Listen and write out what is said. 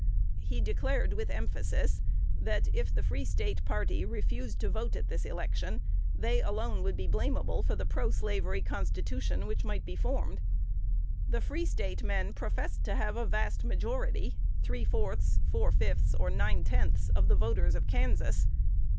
He declared with emphasis, that, if the Free State party refused to vote at this election, they alone would be blamable for the proslavery constitution which might be formed. The Free State men professed to have a vast majority, "three fourths," "four fifths," "nine tenths," of the voters of Kansas.